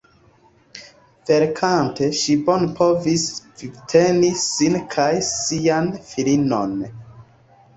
Verkante ŝi bone povis vivteni sin kaj sian filinon.